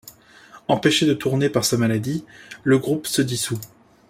Empêché de tournée par sa maladie, le groupe se dissout.